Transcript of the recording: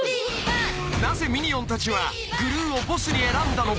［なぜミニオンたちはグルーをボスに選んだのか？］